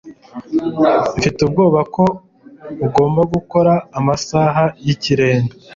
Mfite ubwoba ko ugomba gukora amasaha y'ikirenga.